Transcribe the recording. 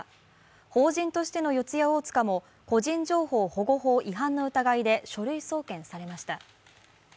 法人としての四谷大塚も個人情報保護法違反の疑いで書類送検されました。